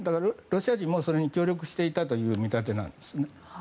ロシア人もそれに協力していたという見立てなんです。